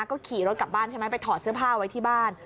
ก็ขี่รถกลับบ้านใช่ไหมไปถอดเสื้อผ้าไว้ที่บ้าน